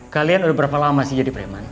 kalian udah berapa lama sih jadi preman